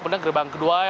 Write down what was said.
kemudian gerbang kedua